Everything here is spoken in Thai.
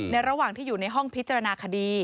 ระหว่างที่อยู่ในห้องพิจารณาคดี